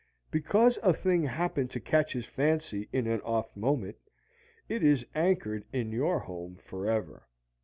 Because a thing happened to catch his fancy in an off moment, it is anchored in your home forever.